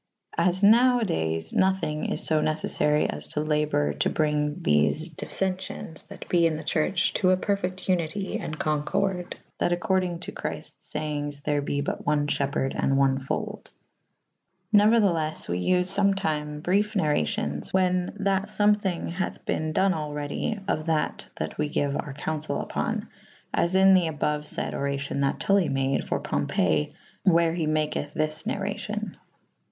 As nowe adayes nothynge is fo neceffary as to labour to brynge thefe diffencyons that be in the churche to a perfecte vnite and Concorde / that accordynge to Chriltes fayenges / there be but one fhepherde and one folde. Neuertheles we vfe fometyme briefe narracyons / whan that fome thynge hathe bene done all redy of that that we gyue our councel vpon / as in the aboue fayd oracio« that Tuly made for Powpey / where he maketh this narracyon.